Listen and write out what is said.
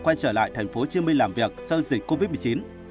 quay trở lại tp hcm làm việc sau dịch covid một mươi chín